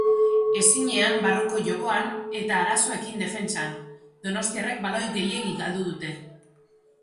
Ezinean barruko jokoan eta arazoekin defentsan, donostiarrek baloi gehiegi galdu dute.